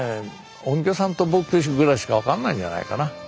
音響さんと僕たちぐらいしか分かんないんじゃないかな。